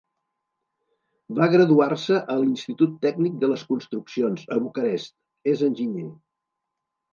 Va graduar-se a l'Institut Tècnic de les Construccions, a Bucarest, és enginyer.